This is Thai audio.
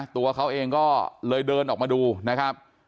ตัวเขาเองก็เลยเดินออกมาดูนะครับ